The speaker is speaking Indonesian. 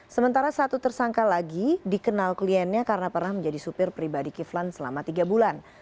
sementara satu tersangka lagi dikenal kliennya karena pernah menjadi supir pribadi kiflan selama tiga bulan